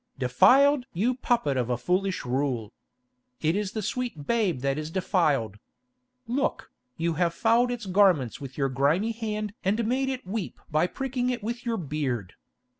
"Defiled! you puppet of a foolish rule! It is the sweet babe that is defiled! Look, you have fouled its garments with your grimy hand and made it weep by pricking it with your beard.